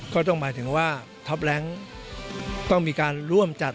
ก็ต้องหมายถึงว่าท็อปแร้งต้องมีการร่วมจัด